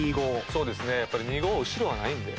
そうですねやっぱり２・５後ろはないんで。